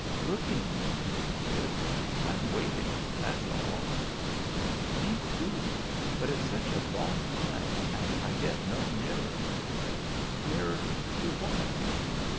"Looking?" he repeated. "I'm waiting; that's all." "Me too. But it's such a long time, and I get no nearer." "Nearer to what?"